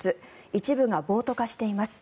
一部が暴徒化しています。